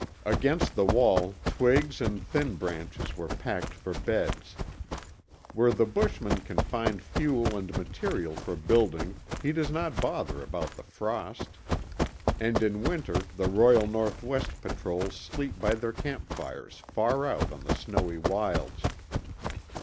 Against the wall twigs and thin branches were packed for beds. Where the bushman can find fuel and material for building he does not bother about the frost, and in winter the Royal North West patrols sleep by their camp fires far out on the snowy wilds.